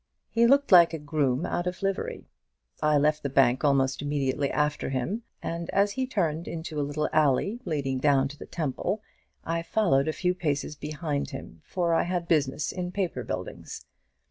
He looked like a groom out of livery. I left the bank almost immediately after him, and as he turned into a little alley leading down to the Temple. I followed a few paces behind him, for I had business in Paper Buildings.